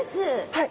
はい。